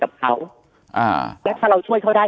กับเขาอ่าแล้วถ้าเราช่วยเขาได้